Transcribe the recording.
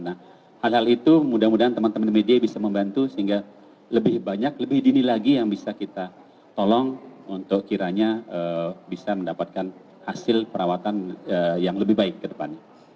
nah hal hal itu mudah mudahan teman teman media bisa membantu sehingga lebih banyak lebih dini lagi yang bisa kita tolong untuk kiranya bisa mendapatkan hasil perawatan yang lebih baik ke depannya